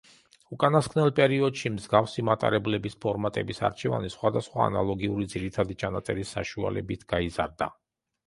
უკანასკნელ პერიოდში მსგავსი მატარებლების ფორმატების არჩევანი სხვადასხვა ანალოგური ძირითადი ჩანაწერის საშუალებით გაიზარდა.